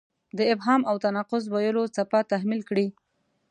د ابهام او تناقض ویلو څپه تحمیل کړې.